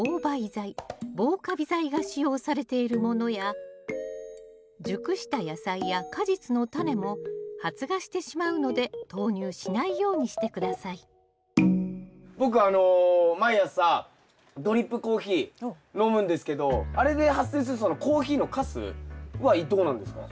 剤防かび剤が使用されているものや熟した野菜や果実のタネも発芽してしまうので投入しないようにして下さい僕あの毎朝ドリップコーヒー飲むんですけどあれで発生するそのコーヒーのかすはどうなんですか？